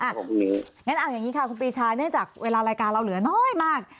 งั้นเอาอย่างนี้ค่ะคุณปีชาเนื่องจากเวลารายการเราเหลือน้อยมาก